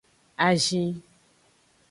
Azin.